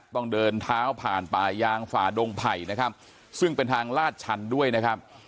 ต้องเดินเท้าผ่านป่ายางฝ่าดงไผ่นะครับซึ่งเป็นทางลาดชันด้วยนะครับ